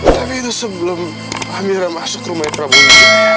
tapi itu sebelum amira masuk rumah ibrahimi